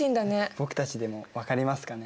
僕たちでも分かりますかね？